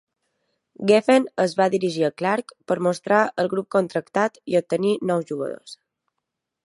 Geffen es va dirigir a Clarke per mostrar el grup contractat i obtenir nous jugadors.